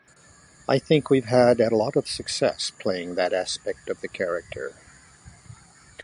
I think we've had a lot of success playing that aspect of the character.